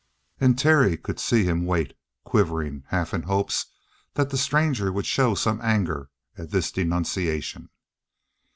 And Terry could see him wait, quivering, half in hopes that the stranger would show some anger at this denunciation.